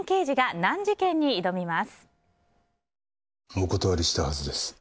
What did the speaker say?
お断りしたはずです。